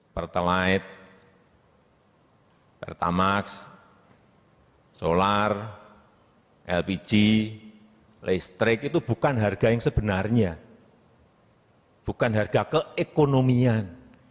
pertelit pertamax solar lpg listrik itu bukan harga yang sebenarnya bukan harga keekonomian